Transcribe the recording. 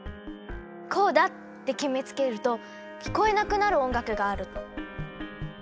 こうだって決めつけると聞こえなくなる音楽がある。